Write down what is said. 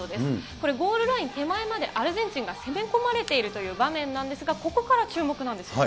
これ、ゴールライン手前までアルゼンチンが攻め込まれているという場面なんですが、ここから注目なんですね。